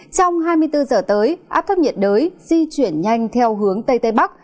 trong hai mươi bốn giờ tới áp thấp nhiệt đới di chuyển nhanh theo hướng tây tây bắc